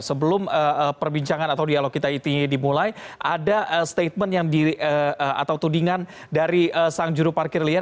sebelum perbincangan atau dialog kita itu dimulai ada statement yang di atau tudingan dari sang juru parkir liar